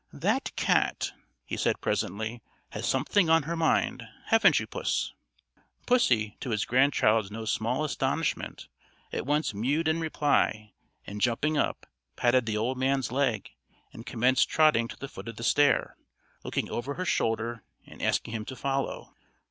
"That cat," he said presently, "has something on her mind; haven't you, puss?" Pussy, to his grandchild's no small astonishment, at once mewed in reply; and jumping up, patted the old man's leg, and commenced trotting to the foot of the stair, looking over her shoulder and asking him to follow.